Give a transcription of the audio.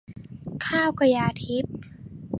ข้าวกระยาทิพย์